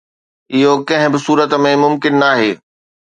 اهو ڪنهن به صورت ۾ ممڪن ناهي